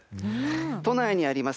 都内にあります